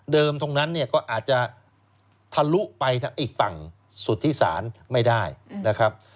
ตรงนั้นเนี่ยก็อาจจะทะลุไปอีกฝั่งสุธิศาลไม่ได้นะครับ